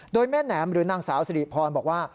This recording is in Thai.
โดยแม่แหนมหรือนางสาวสิริพรบอกว่า